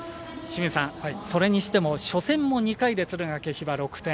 それにしても初戦も２回で敦賀気比は６点。